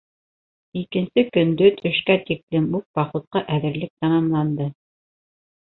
Икенсе көндө төшкә тиклем үк походҡа әҙерлек тамамланды.